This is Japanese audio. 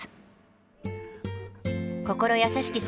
心優しき